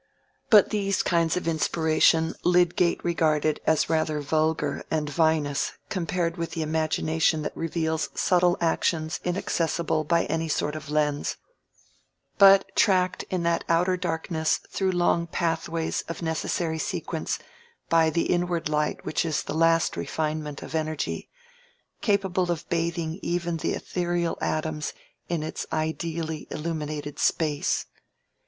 But these kinds of inspiration Lydgate regarded as rather vulgar and vinous compared with the imagination that reveals subtle actions inaccessible by any sort of lens, but tracked in that outer darkness through long pathways of necessary sequence by the inward light which is the last refinement of Energy, capable of bathing even the ethereal atoms in its ideally illuminated space.